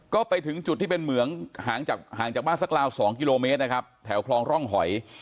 ก็ไปถึงจุดที่เป็นเหมืองห่างจากห่างจากบ้านสักราว๒กิโลเมตรนะครับแถวคลองร่องหอย